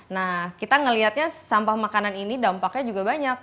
nah kita melihatnya sampah makanan ini dampaknya juga banyak